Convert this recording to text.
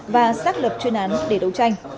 và xác lập chuyên án để đấu tranh